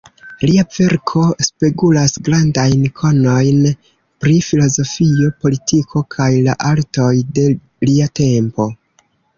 Lia verko spegulas grandajn konojn pri filozofio, politiko kaj la artoj de lia tempo.